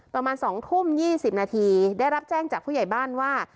ประมาณ๒ทุ่ม๒๐นาทีได้รับแจ้งจากผู้ใหญ่บ้านว่า